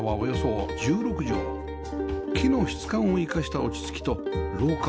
木の質感を生かした落ち着きと廊下